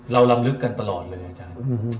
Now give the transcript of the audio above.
ลำลึกกันตลอดเลยอาจารย์